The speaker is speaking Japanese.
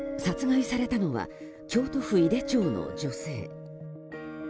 殺害されたのは京都府井手町の女性。